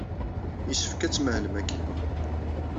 Yessefk ad tmahlem akken.